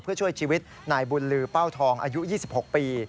เพื่อช่วยชีวิตนายบุญลือเป้าทองอายุ๒๖ปี